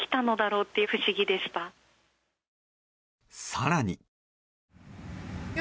更に。